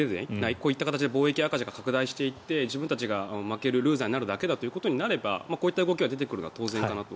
こうして貿易赤字が拡大していって、自分たちが負けるだけだということになればこういった動きは出てくるのは当然かなと。